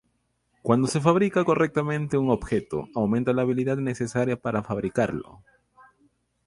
Cuando se fabrica correctamente un objeto, aumenta la habilidad necesaria para fabricarlo.